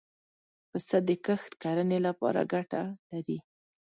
پسه د کښت کرنې له پاره ګټه لري.